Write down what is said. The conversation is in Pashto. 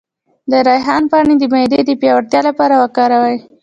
د ریحان پاڼې د معدې د پیاوړتیا لپاره وکاروئ